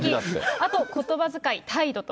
あとことばづかい、態度！と。